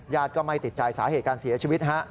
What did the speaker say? ก็ไม่ติดใจสาเหตุการเสียชีวิต